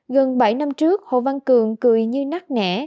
gần bảy năm trước hồ văn cường cười như nắc nẻ